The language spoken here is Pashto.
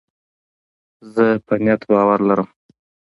زه پر نیت باور لرم.